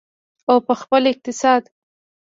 او په خپل اقتصاد.